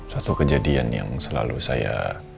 satu kejadian yang selalu saya